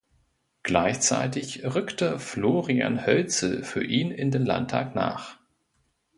Gleichzeitig rückte Florian Hölzl für ihn in den Landtag nach.